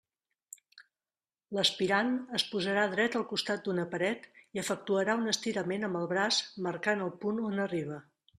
L'aspirant es posarà dret al costat d'una paret i efectuarà un estirament amb el braç marcant el punt on arriba.